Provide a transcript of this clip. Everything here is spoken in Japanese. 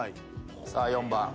さあ４番。